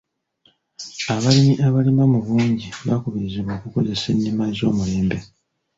Abalimi abalima mu bungi bakubirizibwa okukozesa ennima ez'omulembe.